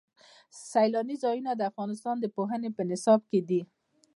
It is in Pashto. سیلاني ځایونه د افغانستان د پوهنې په نصاب کې دي.